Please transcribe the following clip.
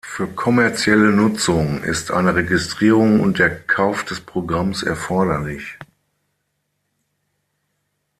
Für kommerzielle Nutzung ist eine Registrierung und der Kauf des Programms erforderlich.